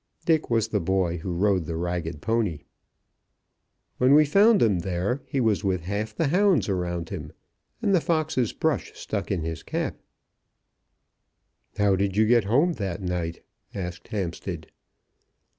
Dick was the boy who rode the ragged pony. "When we found 'em there he was with half the hounds around him, and the fox's brush stuck in his cap." "How did you get home that night?" asked Hampstead.